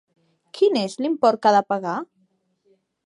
Quin és l'import que ha de pagar?